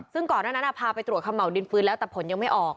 ซึ่งก่อนหน้านั้นพาไปตรวจขม่าวดินปืนแล้วแต่ผลยังไม่ออก